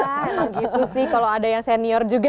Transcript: wah gitu sih kalau ada yang senior juga